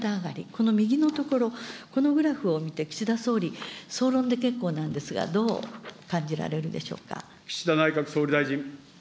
この右の所、このグラフを見て、岸田総理、総論で結構なんですが、どう感じられるでしょうか。